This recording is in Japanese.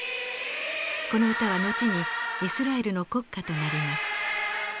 この歌は後にイスラエルの国歌となります。